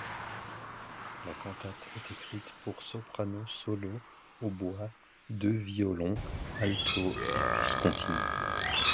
La cantate est écrite pour soprano solo, hautbois, deux violons, alto et basse continue.